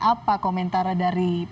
apa komentarnya dari pemprov